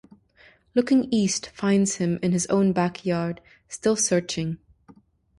"Looking East" finds him in his own backyard, still searching.